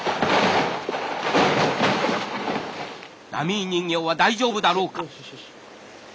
「ダミー人形は大丈夫だろうか？」。